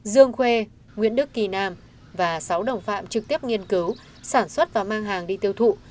dương khuê nguyễn đức kỳ nam và sáu đồng phạm trực tiếp nghiên cứu sản xuất và mang hàng đi tiêu thụ